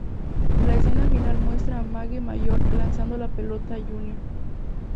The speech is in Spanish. La escena final muestra a Magee mayor lanzando la pelota a Junior.